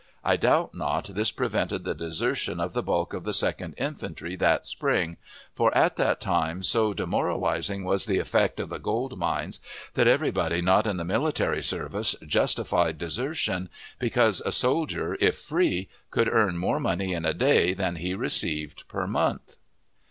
I doubt not this prevented the desertion of the bulk of the Second Infantry that spring, for at that time so demoralizing was the effect of the gold mines that everybody not in the military service justified desertion, because a soldier, if free, could earn more money in a day than he received per month.